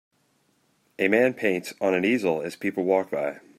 A man paints on an easel as people walk by.